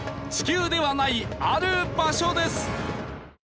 地球ではないある場所です。